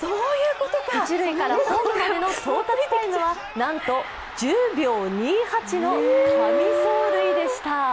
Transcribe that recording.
一塁からホームまでの到達タイムはなんと１０秒２８の神走塁でした。